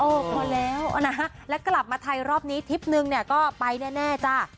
พอแล้วนะและกลับมาไทยรอบนี้ทิปนึงก็ไปแน่จ้ะ